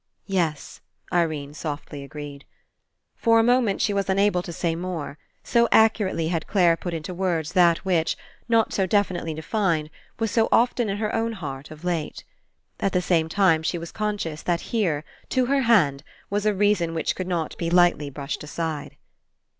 "Yes," Irene softly agreed. For a mo ment she was unable to say more, so accurately 121 PASSING had Clare put into words that which, not so definitely defined, was so often in her own heart of late. At the same time she was conscious that here, to her hand, was a reason which could not be lightly brushed aside.